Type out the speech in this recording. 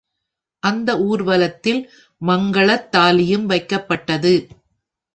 அந்த ஊர்வலத்தில் மங்கலத்தாலியும் வைக்கப்பட்டது.